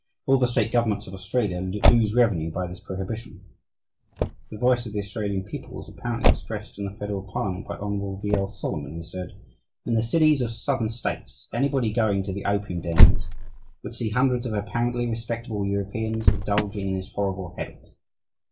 All the state governments of Australia lose revenue by this prohibition. The voice of the Australian people was apparently expressed in the Federal Parliament by Hon. V. L. Solomon, who said: "In the cities of the Southern States anybody going to the opium dens would see hundreds of apparently respectable Europeans indulging in this horrible habit.